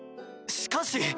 しかし！